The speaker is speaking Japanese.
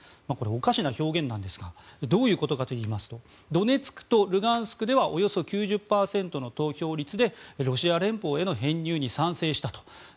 おかしな表現なんですが、これどういうことかといいますとドネツクとルガンスクではおよそ９０％の投票率でロシア連邦への編入に賛成したと。